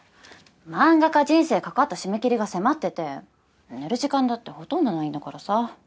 漫画家人生かかった締め切りが迫ってて寝る時間だってほとんどないんだからさ。